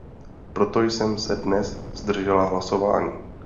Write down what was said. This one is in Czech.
Proto jsem se dnes zdržela hlasování.